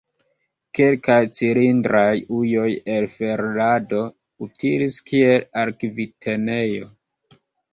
Kelkaj cilindraj ujoj el ferlado utilis kiel arkivtenejo.